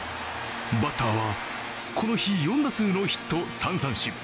バッターはこの日４打数ノーヒット３三振。